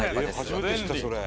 初めて知ったそれ。